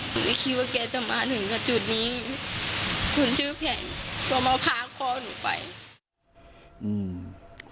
หนูไม่คิดว่าแกจะมาถึงกับจุดนี้หนูชื่อแผ่นตัวมาพาพ่อหนูไป